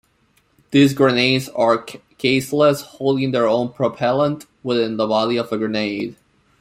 These grenades are caseless, holding their own propellant within the body of the grenade.